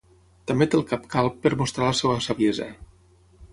També té el cap calb per mostrar la seua saviesa.